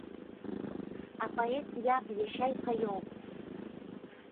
Апоет иаб иашьа иԥа иоуп.